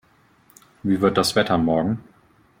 Wie wird das Wetter morgen?